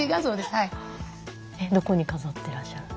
どこに飾ってらっしゃるんですか？